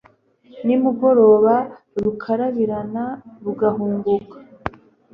nimugoroba rukarabirana, rugahunguka